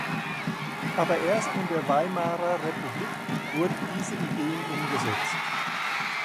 Aber erst in der Weimarer Republik wurden diese Ideen umgesetzt.